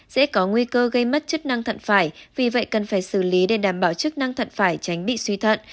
sẽ có nguy cơ gây mất chức năng thận phải vì vậy cần phải xử lý để đảm bảo chức năng thận phải tránh bị suy thận